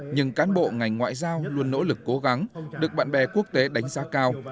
nhưng cán bộ ngành ngoại giao luôn nỗ lực cố gắng được bạn bè quốc tế đánh giá cao